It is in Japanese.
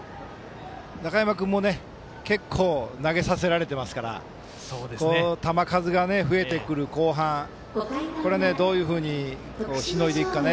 中山君も結構投げさせられていますから球数が増えてくる後半どういうふうにしのいでいくか